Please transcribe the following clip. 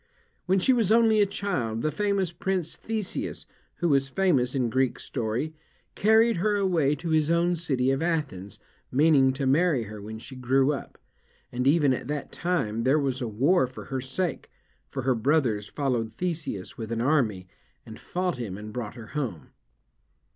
When she was only a child, the famous prince Theseus, who was famous in Greek Story, carried her away to his own city of Athens, meaning to marry her when she grew up, and even at that time, there was a war for her sake, for her brothers followed Theseus with an army, and fought him, and brought her home.